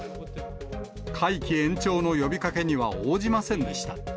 会期延長の呼びかけには応じませんでした。